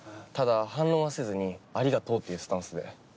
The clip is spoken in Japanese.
ただ反論はせずにありがとうっていうスタンスで。